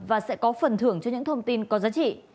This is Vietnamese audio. và sẽ có phần thưởng cho những thông tin có giá trị